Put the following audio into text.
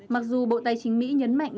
mặc dù bộ tài chính mỹ nhấn mạnh